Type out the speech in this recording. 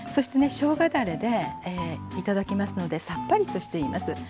しょうがだれで頂きますのでさっぱりとしています。